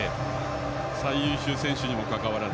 最優秀選手にもかかわらず。